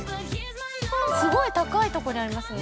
◆すごい高いところにありますね。